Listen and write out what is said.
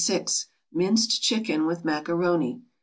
=Minced Chicken with Macaroni.